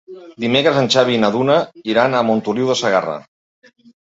Dimecres en Xavi i na Duna iran a Montoliu de Segarra.